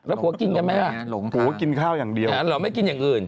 แล้วผัวกินกันไหมอ่ะผัวกินข้าวอย่างเดียวเหรอไม่กินอย่างอื่น